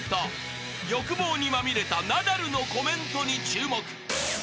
［欲望にまみれたナダルのコメントに注目］